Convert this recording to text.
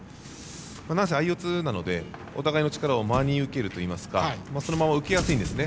なんせ相四つなのでお互いの力を真に受けるというかそのまま受けやすいんですね。